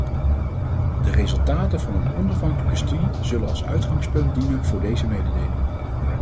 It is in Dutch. De resultaten van een onafhankelijke studie zullen als uitgangspunt dienen voor deze mededeling.